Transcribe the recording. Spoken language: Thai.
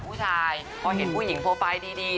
ผู้ชายพอเห็นผู้หญิงโทรไปดี